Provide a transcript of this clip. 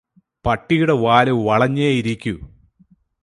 പട്ടിയുടെ വാല് വളഞ്ഞേ ഇരിക്കൂ